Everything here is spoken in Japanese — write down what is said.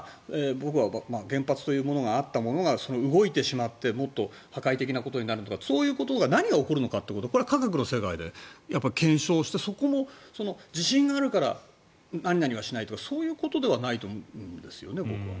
僕は原発というものがあったものが動いてしまってもっと破壊的なことになるのかとかそういうことが何が起こるのかということこれは科学の世界で検証してそこの、地震があるから何々はしないとかそういうことではないと思うんですよね、僕は。